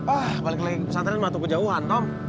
ah balik lagi ke pesantren mantuk kejauhan tom